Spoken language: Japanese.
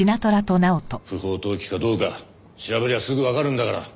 不法投棄かどうかは調べりゃすぐわかるんだから。